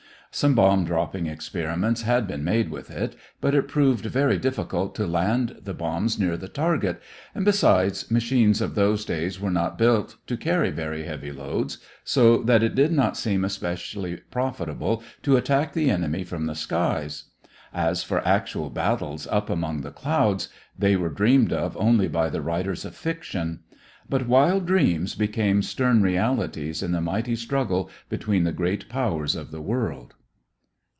Some bomb dropping experiments had been made with it, but it proved very difficult to land the bombs near the target, and, besides, machines of those days were not built to carry very heavy loads, so that it did not seem especially profitable to attack the enemy from the skies. As for actual battles up among the clouds, they were dreamed of only by the writers of fiction. But wild dreams became stern realities in the mighty struggle between the great powers of the world.